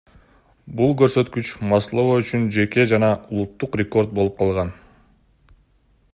Бул көрсөткүч Маслова үчүн жеке жана улуттук рекорд болуп калган.